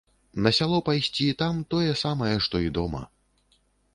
На сяло пайсці, там тое самае, што і дома.